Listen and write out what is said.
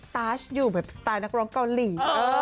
ตาชอยู่แบบสไตล์นักร้องเกาหลี